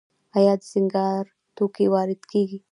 آیا د سینګار توکي وارد کیږي؟